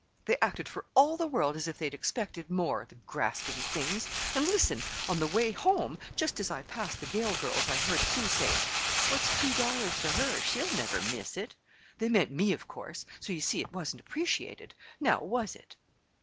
They acted for all the world as if they expected more—the grasping things! And, listen! On the way home, just as I passed the Gale girls' I heard Sue say: 'What's two dollars to her? She'll never miss it.' They meant me, of course. So you see it wasn't appreciated. Now, was it?"